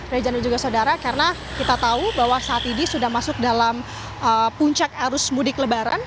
rejan dan juga saudara karena kita tahu bahwa saat ini sudah masuk dalam puncak arus mudik lebaran